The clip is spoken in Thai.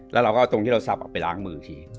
แล้วเราก็เอาตรงที่เราสับออกไปล้างมือที